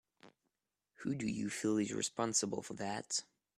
Who do you feel is responsible for that?